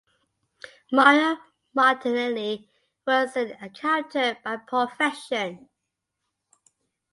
Mario Martinelli was an accountant by profession.